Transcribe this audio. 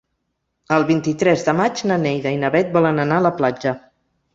El vint-i-tres de maig na Neida i na Bet volen anar a la platja.